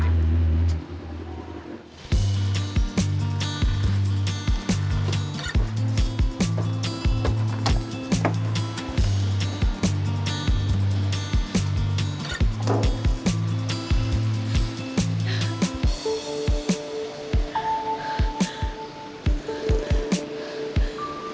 maka sudah tentu saja